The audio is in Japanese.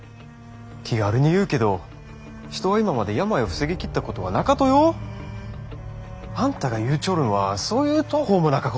気軽に言うけど人は今まで病を防ぎきったことはなかとよ！あんたが言うちょるんはそういう途方もなかこったい！